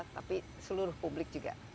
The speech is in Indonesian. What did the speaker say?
tapi seluruh publik juga